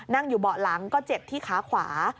นั่งอยู่เบาะหลังก็เจ็บที่ขาขวา